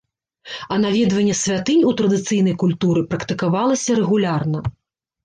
А наведванне святынь у традыцыйнай культуры практыкавалася рэгулярна.